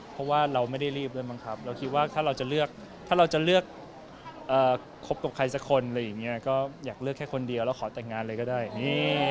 เพราะว่าเราไม่ได้รีบด้วยมั้งครับเราคิดว่าถ้าเราจะเลือกถ้าเราจะเลือกคบกับใครสักคนอะไรอย่างนี้ก็อยากเลือกแค่คนเดียวแล้วขอแต่งงานเลยก็ได้